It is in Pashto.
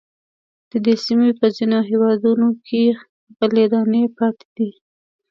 د دې سیمې په ځینو هېوادونو کې غلې دانې پاتې دي.